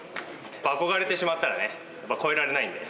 憧れてしまったらね超えられないんで。